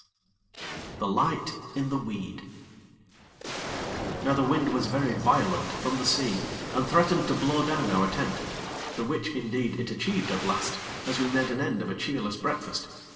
X The Light in the Weed Now the wind was very violent from the sea, and threatened to blow down our tent, the which, indeed, it achieved at last as we made an end of a cheerless breakfast.